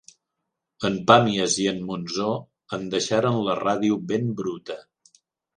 En Pàmies i en Monzó en deixaren la ràdio ben bruta.